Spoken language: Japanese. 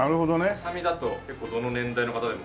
ささみだと結構どの年代の方でも。